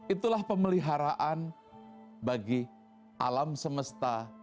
itulah pemeliharaan bagi alam semesta